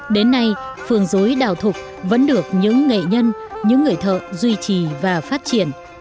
đến nay phường dối đào thục vẫn được những nghệ nhân những người thợ duy trì và phát triển